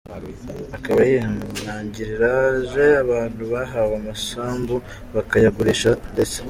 Akaba yihanangirije abantu bahawe amasambu bakayagurisha ndese.